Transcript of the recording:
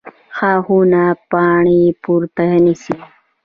ښاخونه پاڼې پورته نیسي